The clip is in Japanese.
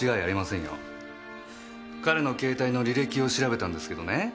彼の携帯の履歴を調べたんですけどね